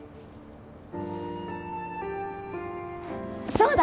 そうだ！